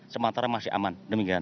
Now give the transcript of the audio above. sementara masih aman